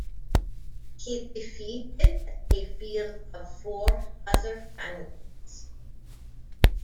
He defeated a field of four other candidates.